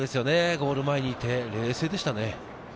ゴール前にいて冷静でしたね。